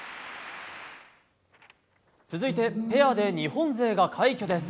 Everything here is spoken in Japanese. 続いてペアで日本勢が快挙です。